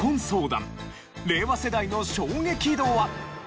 令和世代の衝撃度は？